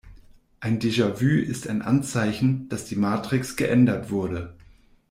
Ein Déjà-vu ist ein Anzeichen, dass die Matrix geändert wurde.